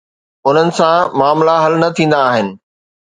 انهن سان معاملا حل نه ٿيندا آهن.